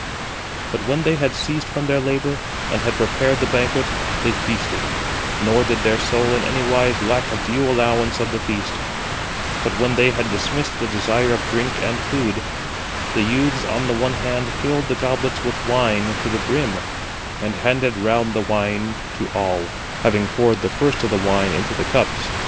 But when they had ceased from their labour, and had prepared the banquet, they feasted; nor did their soul in anywise lack a due allowance of the feast: but when they had dismissed the desire of drink and food, the youths on the one hand filled the goblets with wine to the brim, 52 and handed round the wine to all, having poured the first of the wine into the cups.